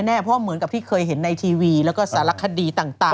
เพราะเหมือนกับที่เคยเห็นในทีวีแล้วก็สารคดีต่าง